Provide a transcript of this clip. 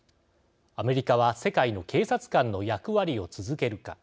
アメリカは世界の警察官の役割を続けるか。